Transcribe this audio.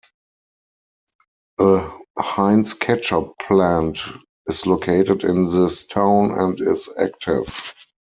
A Heinz ketchup plant is located in this town and is active.